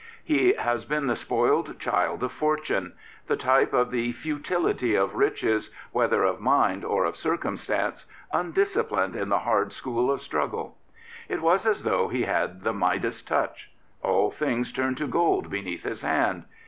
He has been the spoiled child of fortune — the type of the futility of riches, whether of mind or of circum stance, undisciplined in the hard school of struggle. It was as though he had the Midas touch. All things turned to gold beneath his hand.